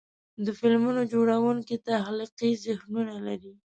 د فلمونو جوړونکي تخلیقي ذهنونه لري.